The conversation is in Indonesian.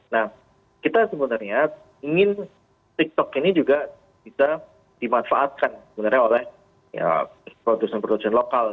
nah kita sebenarnya ingin tiktok ini juga bisa dimanfaatkan sebenarnya oleh produsen produsen lokal